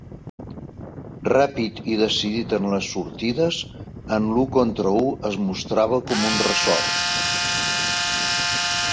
Ràpid i decidit en les sortides, en l'u contra u es mostrava com un ressort.